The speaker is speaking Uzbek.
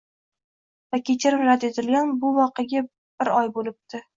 va kechirim rad etilgan, bu voqeaga bir oy bo'libdi